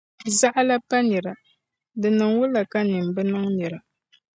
Zaɣila pa nira, di niŋ wula ka nyini bi niŋ nira?